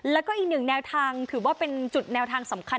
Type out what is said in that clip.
แล้วก็อีกหนึ่งแนวทางถือว่าเป็นจุดแนวทางสำคัญ